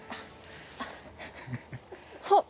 あっあっ。